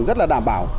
rất là đảm bảo